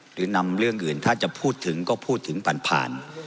หรือนำเรื่องอื่นถ้าจะพูดถึงก็พูดถึงผ่าน